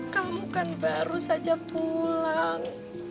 kamu kan baru saja pulang